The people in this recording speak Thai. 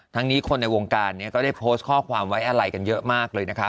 นี้คนในวงการนี้ก็ได้โพสต์ข้อความไว้อะไรกันเยอะมากเลยนะคะ